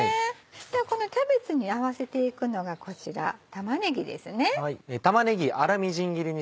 ではこのキャベツに合わせていくのがこちら玉ねぎです。